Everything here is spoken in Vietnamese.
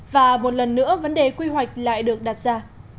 và một lần nữa vấn đề quy hoạch lại được đặt ra